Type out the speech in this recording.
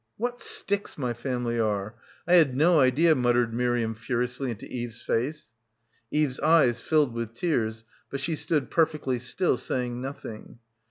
"What sticks my family are — I had no idea," muttered Miriam furiously into Eve's face. Eve's eyes filled with tears, but she stood perfectly still, saying nothing.